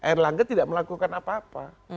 erlangga tidak melakukan apa apa